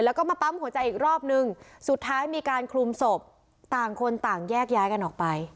แล้วก็มาปั๊มหัวใจอีกรอบนึงสุดท้ายมีการคลุมศพต่างคนต่างแยกย้ายกันออกไป